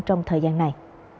trong thời gian này